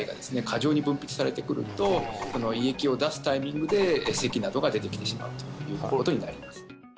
過剰に分泌されてくると胃液を出すタイミングで咳などが出てきてしまうということになります